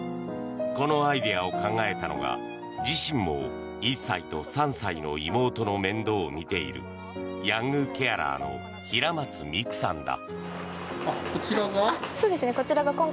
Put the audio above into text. このアイデアを考えたのが自身も１歳と３歳の妹の面倒を見ているヤングケアラーの平松美紅さんだ。